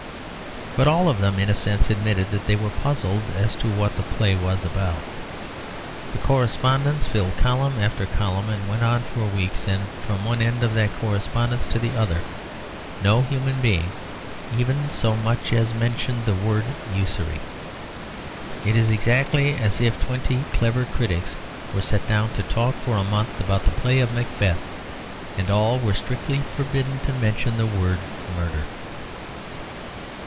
But all of them in a sense admitted that they were puzzled as to what the play was about. The correspondence filled column after column and went on for weeks. And from one end of that correspondence to the other, no human being even so much as mentioned the word "usury." It is exactly as if twenty clever critics were set down to talk for a month about the play of Macbeth, and were all strictly forbidden to mention the word "murder."